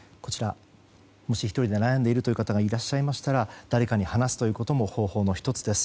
もし１人で悩んでいるという方がいらっしゃったら誰かに話すというのも方法の１つです。